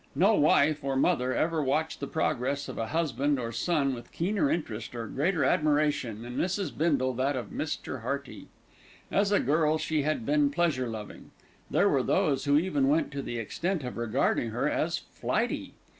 No wife, or mother, ever watched the progress of a husband, or son, with keener interest, or greater admiration, than Mrs. Bindle that of Mr. Hearty. As a girl, she had been pleasure loving. There were those who even went to the extent of regarding her as flighty.